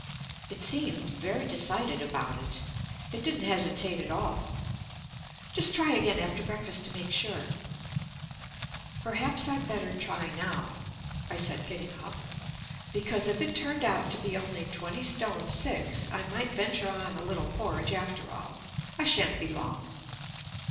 "It seemed very decided about it. It didn't hesitate at all." "Just try again after breakfast to make sure." "Perhaps I'd better try now," I said, getting up, "because if I turned out to be only twenty stone six I might venture on a little porridge after all. I shan't be long."